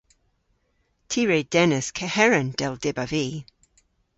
Ty re dennas keheren, dell dybav vy.